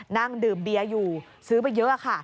นั่งดื่มเบียร์อยู่ซื้อไปเยอะค่ะ